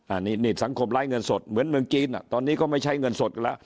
อันนี้นี่สังคมไร้เงินสดเหมือนเมืองจีนอ่ะตอนนี้ก็ไม่ใช้เงินสดอีกแล้ว